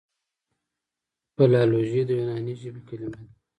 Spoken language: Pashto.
فلالوژي د یوناني ژبي کليمه ده.